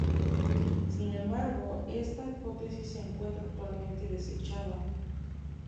Sin embargo, esta hipótesis se encuentra actualmente desechada.